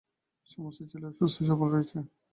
সমস্ত ছেলেরাই সুস্থ-সবল রয়েছে।